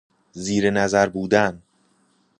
زیر نظر بودن